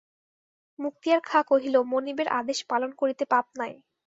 মুক্তিয়ার খাঁ কহিল, মনিবের আদেশ পালন করিতে পাপ নাই।